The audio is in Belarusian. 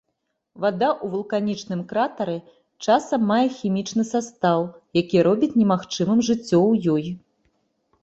Вада ў вулканічным кратары часам мае хімічны састаў, які робіць немагчымым жыццё ў ёй.